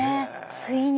ついに。